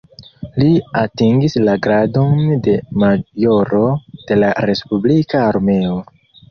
Li atingis la gradon de majoro de la respublika armeo.